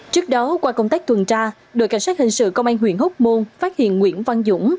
trước đó qua công tác tuần tra đội cảnh sát hình sự công an huyện hốc môn phát hiện nguyễn văn dũng